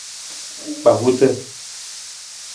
Kpahuta.